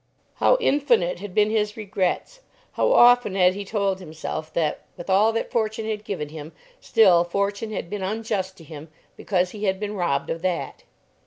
How infinite had been his regrets. How often had he told himself that, with all that Fortune had given him, still Fortune had been unjust to him because he had been robbed of that.